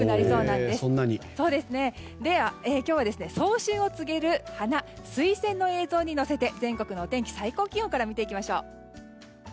では今日は、早春を告げる花スイセンの映像に乗せて全国のお天気、最高気温から見ていきましょう。